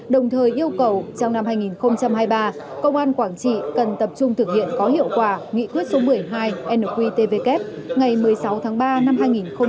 đồng thời yêu cầu trong năm hai nghìn hai mươi ba công an quảng trị cần tập trung thực hiện có hiệu quả nghị quyết số một mươi hai nqtvk ngày một mươi sáu tháng ba năm hai nghìn hai mươi